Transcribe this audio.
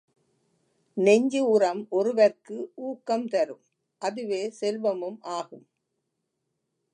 நெஞ்சு உரம் ஒருவர்க்கு ஊக்கம் தரும் அதுவே செல்வமும் ஆகும்.